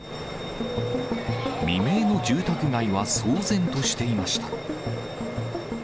未明の住宅街は騒然としていました。